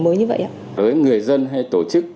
mới như vậy ạ đối với người dân hay tổ chức